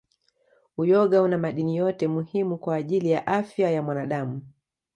Uyoga una madini yote muhimu kwa ajili ya afya ya mwanadamu